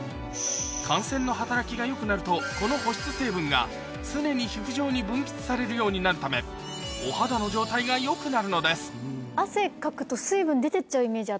汗腺の働きが良くなるとこの保湿成分が常に皮膚上に分泌されるようになるため汗かくと。